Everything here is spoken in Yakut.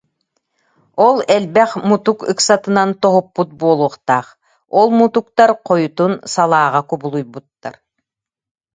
Ол элбэх мутук ыксатынан тоһуппут буолуохтаах, ол мутуктар хойутун салааҕа кубулуйбуттар